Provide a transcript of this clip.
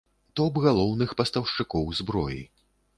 Топ галоўных пастаўшчыкоў зброі.